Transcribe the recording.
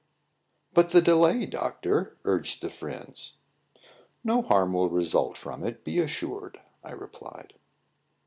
"But the delay, doctor," urged the friends. "No harm will result from it, be assured," I replied.